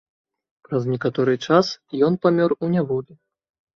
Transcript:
Праз некаторы час ён памёр у няволі.